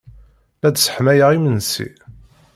La d-sseḥmayeɣ imensi.